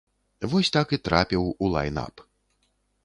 Вось так і трапіў у лайн-ап.